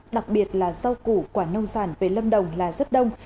đặc biệt là rau củ quả nông sản về lâm đồng là rất đông